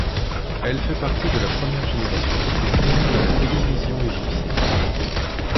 Elle fait partie de la première génération de speakerine de la télévision égyptienne.